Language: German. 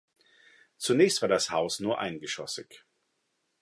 Zunächst war das Haus nur eingeschossig.